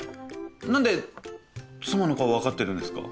何で妻の顔分かってるんですか？